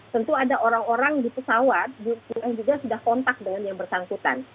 tentu ada orang orang di pesawat yang juga sudah kontak dengan yang bersangkutan